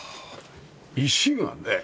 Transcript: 石がね